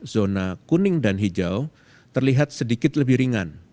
zona kuning dan hijau terlihat sedikit lebih ringan